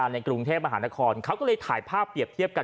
ในกรุงเทพมหานครเขาก็เลยถ่ายภาพเปรียบเทียบกัน